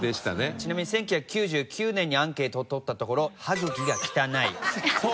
ちなみに１９９９年にアンケートをとったところ「歯茎が汚い」「汗が泥臭い」など